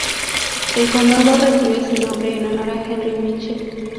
El condado recibe su nombre en honor a Henry Mitchell.